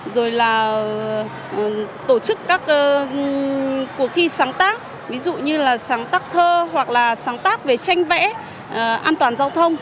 rồi là tổ chức các cuộc thi sáng tác ví dụ như là sáng tác thơ hoặc là sáng tác về tranh vẽ an toàn giao thông